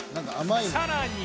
さらに